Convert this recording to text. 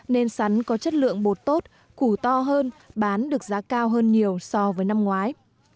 nên sắn có chất lượng bột tốt củ to hơn bán được giá cao hơn nhiều so với năm ngoái